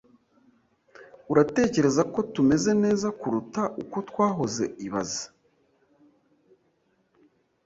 Uratekereza ko tumeze neza kuruta uko twahoze ibaze nawe